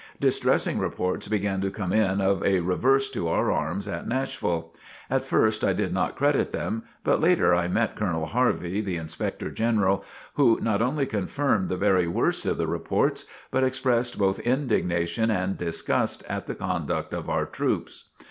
Distressing reports began to come in of a reverse to our arms at Nashville. At first I did not credit them, but later I met Colonel Harvie, the Inspector General, who not only confirmed the very worst of the reports, but expressed both indignation and disgust at the conduct of our troops.